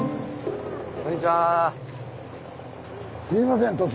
すいません